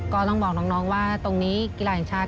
ก็ต้องบอกน้องว่าตรงนี้กีฬาแห่งชาติ